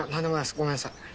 ごめんなさい。